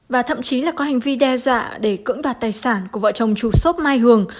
và thậm chí là có hành vi đe dạ để cưỡng đoạt tài sản của vợ chồng chú sốp mai hường